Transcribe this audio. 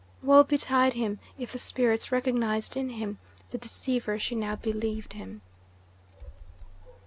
Woe betide him if the spirits recognised in him the deceiver she now believed him.